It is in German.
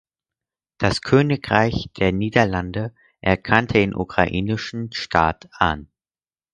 Das Königreich der Niederlande erkannte den Ukrainischen Staat an.